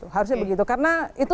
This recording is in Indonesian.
harusnya begitu karena itu